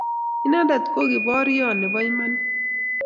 Inendet ko kiboryot nebo imanit.